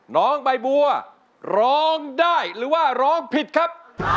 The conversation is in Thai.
น้องใบบัวร้องได้หรือว่าร้องผิดครับ